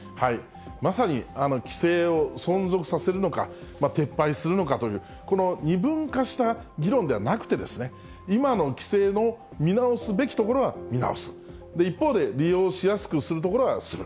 まさに規制を存続させるのか、撤廃するのかという、この二分化した議論ではなくて、今の規制の見直すべきところは見直す、一方で、利用しやすくするところはする。